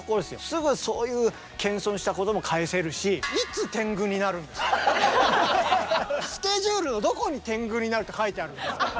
すぐそういう謙遜したことも返せるしスケジュールのどこに天狗になるって書いてあるんですか。